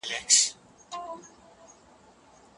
ايا انلاين زده کړه د انعطاف وړ چاپيريال رامنځته کوي؟